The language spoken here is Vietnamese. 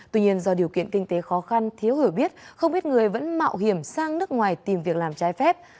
tuy nhiên do điều kiện kinh tế khó khăn thiếu hiểu biết không biết người vẫn mạo hiểm sang nước ngoài tìm việc làm trái phép